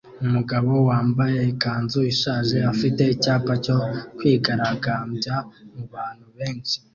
Umugabo wambaye ikanzu ishaje afite icyapa cyo kwigaragambya mubantu benshi